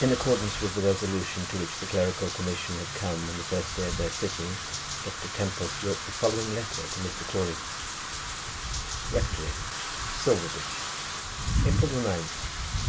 In accordance with the resolution to which the clerical commission had come on the first day of their sitting, Dr. Tempest wrote the following letter to Mr. Crawley: Rectory, Silverbridge, April 9, 186